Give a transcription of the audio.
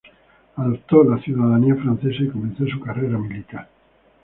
Adoptó la ciudadanía francesa y comenzó su carrera militar.